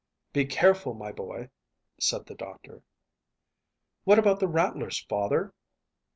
"Be careful, my boy," said the doctor. "What, about the rattlers, father?"